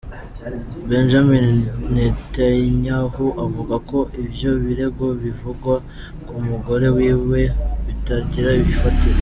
Benjamin Netanyahu avuga ko ivyo birego bivugwa ku mugore wiwe bitagira ifatiro.